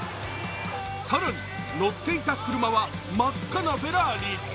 更に乗っていた車は真っ赤なフェラーリ。